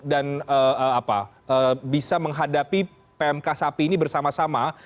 dan bisa menghadapi pmk sapi ini bersama sama